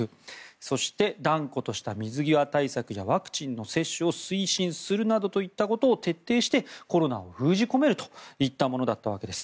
そして、断固とした水際対策やワクチンの接種を推進するなどといったことを徹底してコロナを封じ込めるといったものだったわけです。